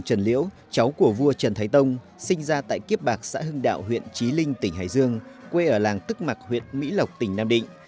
trần liễu cháu của vua trần thái tông sinh ra tại kiếp bạc xã hưng đạo huyện trí linh tỉnh hải dương quê ở làng tức mặc huyện mỹ lộc tỉnh nam định